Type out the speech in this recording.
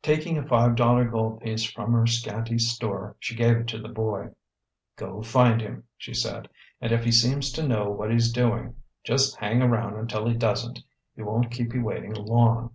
Taking a five dollar gold piece from her scanty store, she gave it to the boy. "Go find him," she said. "And if he seems to know what he's doing just hang around until he doesn't: he won't keep you waiting long.